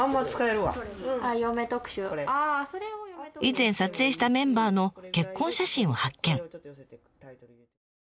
以前撮影したメンバーの結婚写真を発見。